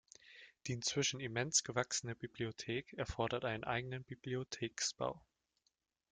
Die inzwischen immens gewachsene Bibliothek erforderte einen eigenen Bibliotheksbau.